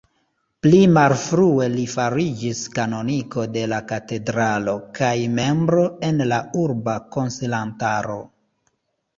Pli malfrue li fariĝis kanoniko de la katedralo, kaj membro en la Urba Konsilantaro.